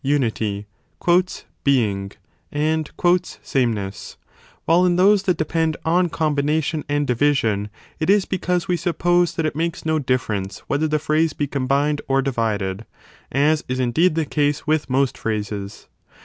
unity , being , and sameness ), 35 while in those that depend on combination and division, it is because we suppose that it makes no difference whether the phrase be combined or divided, as is indeed the case with most phrases.